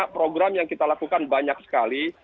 program yang kita lakukan banyak sekali